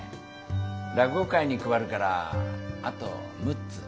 落語会に配るからあと６つ。